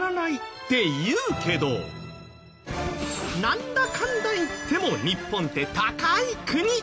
って言うけどなんだかんだ言っても日本って高い国！